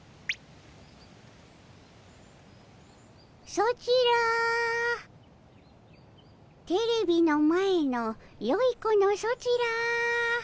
ソチらテレビの前のよい子のソチら。